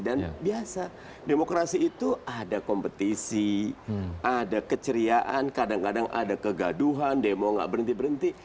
dan biasa demokrasi itu ada kompetisi ada keceriaan kadang kadang ada kegaduhan demo nggak berhenti berhenti